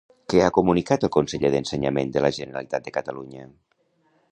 Què ha comunicat el conseller d'Ensenyament de la Generalitat de Catalunya?